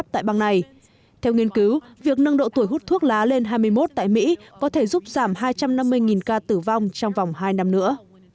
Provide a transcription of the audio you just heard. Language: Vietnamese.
theo nghiên cứu việc nâng độ tuổi hút thuốc lá lên hai mươi một tại mỹ có thể giúp giảm hai trăm năm mươi ca tử vong trong vòng hai năm nữa